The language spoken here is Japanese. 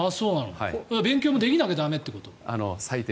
勉強もできなきゃ駄目ということ？